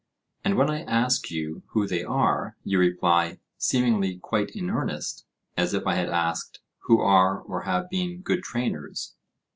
and when I ask you who they are, you reply, seemingly quite in earnest, as if I had asked, Who are or have been good trainers?